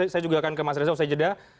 saya juga akan ke mas reza usai jeda